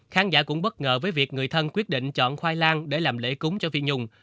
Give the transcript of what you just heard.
khán giả cũng bất ngờ với việc người thân quyết định chọn khoai lang để làm lễ cúng cho phi nhung